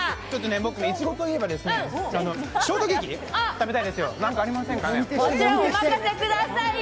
僕、いちごといえばショートケーキ食べたいですよ。